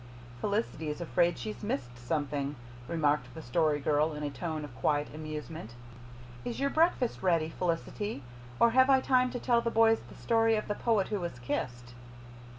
"Felicity's afraid she's missed something," remarked the Story Girl in a tone of quiet amusement. "Is your breakfast ready, Felicity, or have I time to tell the boys the Story of the Poet Who Was Kissed?"